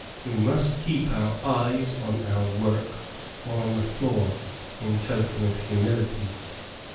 We must keep our eyes on our work or on the floor, in token of humility.